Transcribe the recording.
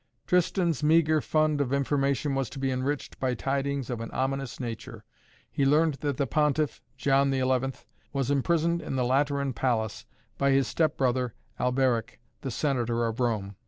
Tristan's meagre fund of information was to be enriched by tidings of an ominous nature. He learned that the Pontiff, John XI, was imprisoned in the Lateran Palace, by his step brother Alberic, the Senator of Rome.